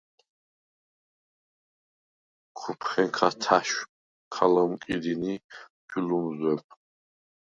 ქუფხენქა თაშვ ქა ლჷმკიდინ ი ჩუ ლჷმზვებ.